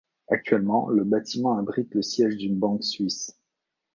Actuellement, le bâtiment abrite le siège d'une banque suisse.